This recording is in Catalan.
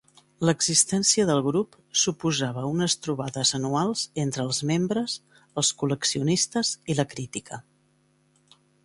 L'existència del grup suposava unes trobades anuals entre els membres, els col·leccionistes i la crítica.